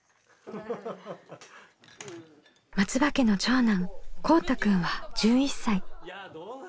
松場家の長男こうたくんは１１歳。